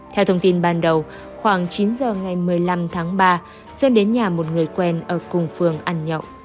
theo thông tin ban đầu khoảng chín giờ ngày một mươi năm tháng ba xuân đến nhà một người quen ở cùng phường ăn nhậu